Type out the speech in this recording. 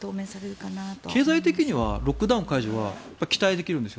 経済的にはロックダウン解除は期待できるんですよ。